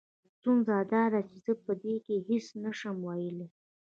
ستونزه دا ده چې زه په دې کې هېڅ نه شم ويلې.